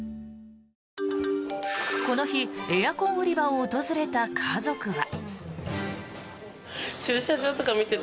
この日、エアコン売り場を訪れた家族は。